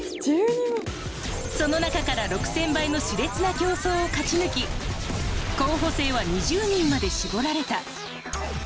その中から６０００倍の熾烈な競争を勝ち抜き候補生は２０人まで絞られた。